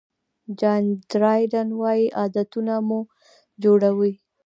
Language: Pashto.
جان ډرایډن وایي عادتونه موږ جوړوي.